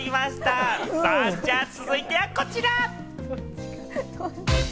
じゃあ、続いてはこちら！